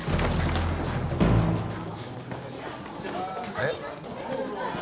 えっ？